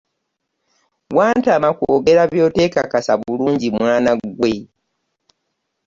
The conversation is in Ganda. Wantama kwogera by'otekakasa bulungi mwana ggwe.